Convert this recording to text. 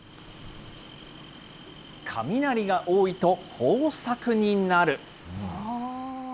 雷が多いと豊作になる。